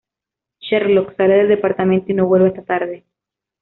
Sherlock sale del departamento y no vuelve hasta tarde.